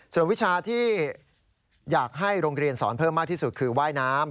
ส่วนวิชาที่อยากให้โรงเรียนสอนเพิ่มมากที่สุดคือว่ายน้ำ